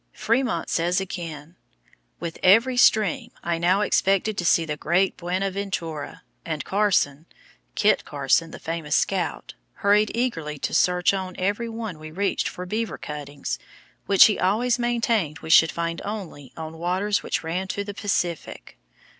Frémont says again, "With every stream I now expected to see the great Buenaventura, and Carson (Kit Carson, the famous scout) hurried eagerly to search on every one we reached for beaver cuttings, which he always maintained we should find only on waters which ran to the Pacific."